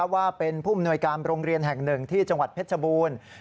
ว่าเป็นผู้มนวยการโรงเรียนแห่งหนึ่งที่จังหวัดเพชรบูรณ์